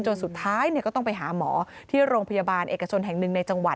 สุดท้ายก็ต้องไปหาหมอที่โรงพยาบาลเอกชนแห่งหนึ่งในจังหวัด